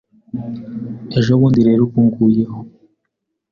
ejo bundi rero uba unguyeho,